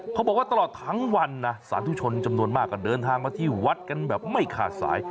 เขาบอกว่าตลอดทั้งวันนะสาธุชนจำนวนมากก็เดินทางมาที่วัดกันแบบไม่ขาดสาย